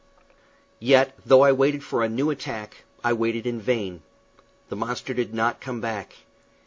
Yet, though I waited for a new attack, I waited in vain. The monster did not come back.